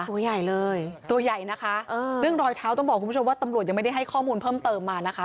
ตัวใหญ่เลยตัวใหญ่นะคะเรื่องรอยเท้าต้องบอกคุณผู้ชมว่าตำรวจยังไม่ได้ให้ข้อมูลเพิ่มเติมมานะคะ